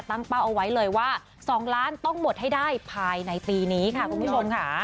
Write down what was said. เป้าเอาไว้เลยว่า๒ล้านต้องหมดให้ได้ภายในปีนี้ค่ะคุณผู้ชมค่ะ